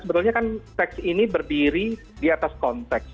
sebetulnya kan teks ini berdiri di atas konteks